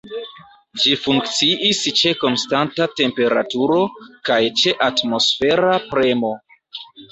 Ĝi funkciis ĉe konstanta temperaturo, kaj ĉe atmosfera premo.